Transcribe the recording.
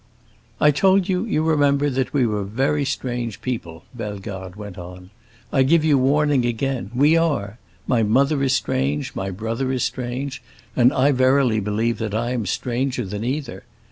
"I told you, you remember, that we were very strange people," Bellegarde went on. "I give you warning again. We are! My mother is strange, my brother is strange, and I verily believe that I am stranger than either.